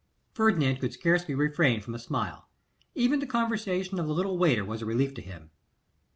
Ferdinand could scarcely refrain from a smile. Even the conversation of the little waiter was a relief to him.